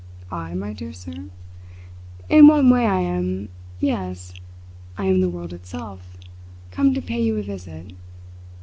"I, my dear sir? In one way I am yes, I am the world itself, come to pay you a visit.